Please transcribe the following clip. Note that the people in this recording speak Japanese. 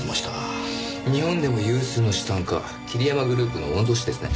日本でも有数の資産家桐山グループの御曹司ですね。